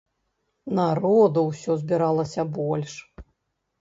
Народу ўсё збіралася больш.